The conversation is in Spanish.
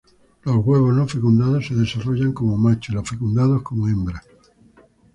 Los huevos no fecundados se desarrollan como machos y los fecundados como hembras.